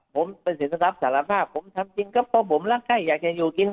ผมเป็นสินรับสารภาพผมทำจริงก็เพราะผมรักไข้อยากจะอยู่กิน